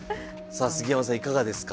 さあ杉山さんいかがですか？